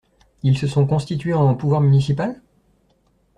Ils se sont constitués en pouvoir municipal?